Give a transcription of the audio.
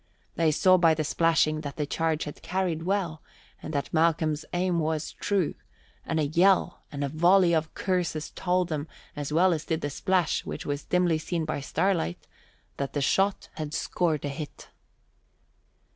They saw by the splashing that the charge had carried well and that Malcolm's aim was true, and a yell and a volley of curses told them as well as did the splash, which was dimly seen by starlight, that the shot had scored a hit.